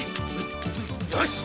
よし。